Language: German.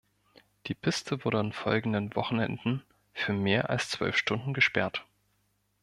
Die Piste wurde am folgenden Wochenende für mehr als zwölf Stunden gesperrt.